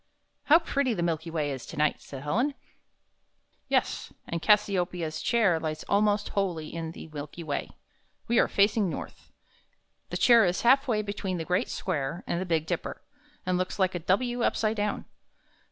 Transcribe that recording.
"How pretty the Milky Way is tonight!" said Helen. "Yes, and Cass i o pe' ia's Chair lies almost wholly in the Milky Way. We are facing north. The chair is half way between the Great Square and the Big Dipper, and looks like a W upside down.